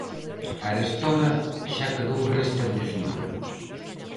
Arestora xa quedou restablecido.